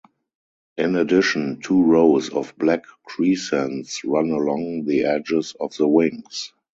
In addition, two rows of black crescents run along the edges of the wings.